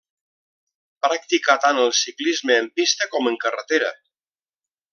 Practicà tant el ciclisme en pista com en carretera.